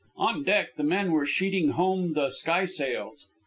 On deck the men were sheeting home the skysails.